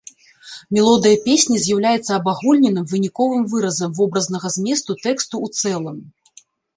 Мелодыя песні з'яўляецца абагульненым, выніковым выразам вобразнага зместу тэксту ў цэлым.